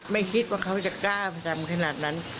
ไม่คิดว่าเขาจะกล้าไปทำขนาดนั้น